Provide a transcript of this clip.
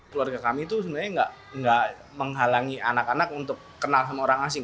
keluarga kami itu sebenarnya nggak menghalangi anak anak untuk kenal sama orang asing